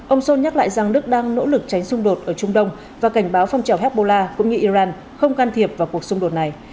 ông scholz nhắc lại rằng đức đang nỗ lực tránh xung đột ở trung đông và cảnh báo phong trào hezbollah cũng như iran không can thiệp vào cuộc xung đột này